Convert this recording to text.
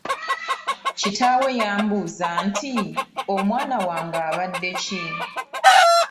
Kitaawe yamubuuza nti, “Mwana wange obadde ki?''